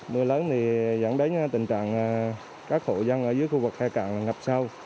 mưa lớn dẫn đến tình trạng các khu dân ở dưới khu vực khai cạn ngập sâu